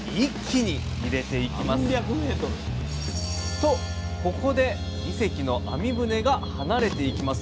とここで２隻の網船が離れていきます。